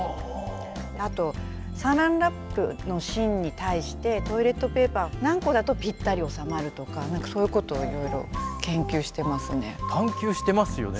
あとラップの芯に対してトイレットペーパーは何個だとぴったり収まるとかそういうことをいろいろ研究してますね。